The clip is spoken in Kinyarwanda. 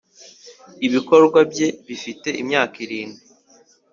ibikorwa bye bifite imyaka irindwi.